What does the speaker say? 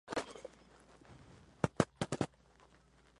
Las mejores son las de Chartres.